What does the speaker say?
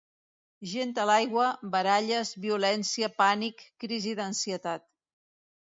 Gent a l’aigua, baralles, violència, pànic, crisi d’ansietat.